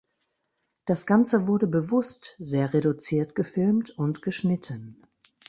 Das ganze wurde bewusst sehr reduziert gefilmt und geschnitten.